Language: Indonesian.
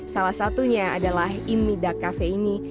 salah satunya adalah imida cafe ini